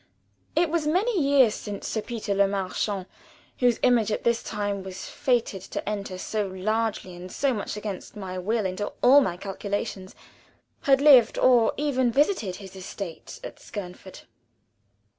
It was many years since Sir Peter Le Marchant, whose image at this time was fated to enter so largely and so much against my will into all my calculations, had lived at or even visited his estate at Skernford.